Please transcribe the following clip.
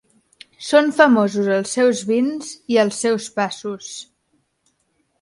Són famosos els seus vins i els seus passos.